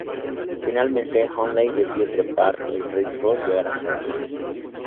Finalmente, Olney decide trepar el risco y llegar hasta la casa.